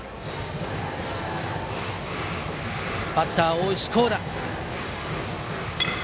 バッター、大石広那。